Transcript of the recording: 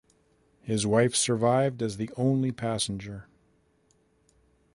His wife survived as the only passenger.